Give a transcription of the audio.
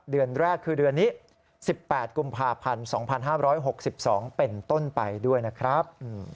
เดือนแรกคือเดือนนี้๑๘กุมภาพันธ์๒๕๖๒เป็นต้นไปด้วยนะครับ